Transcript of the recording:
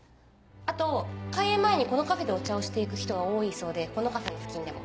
あと開演前にこのカフェでお茶をしていく人が多いそうでこのカフェの付近でも。